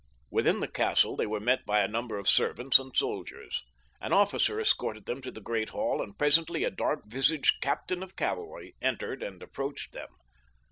Within the castle they were met by a number of servants and soldiers. An officer escorted them to the great hall, and presently a dark visaged captain of cavalry entered and approached them.